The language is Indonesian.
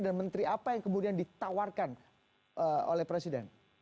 dan menteri apa yang kemudian ditawarkan oleh presiden